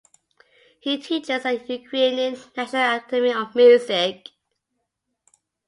He teaches at the Ukrainian National Academy of Music.